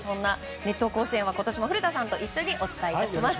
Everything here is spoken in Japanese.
「熱闘甲子園」は今年も古田さんと一緒にお伝えします。